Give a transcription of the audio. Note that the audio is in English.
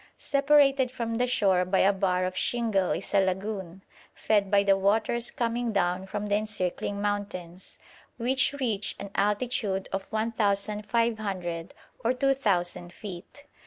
Separated from the shore by a bar of shingle is a lagoon, fed by the waters coming down from the encircling mountains, which reach an altitude of 1,500 or 2,000 feet.